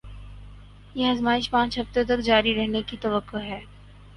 یہ آزمائش پانچ ہفتوں تک جاری رہنے کی توقع ہے